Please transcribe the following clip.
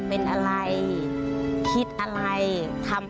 เอาละค่ะนะคะ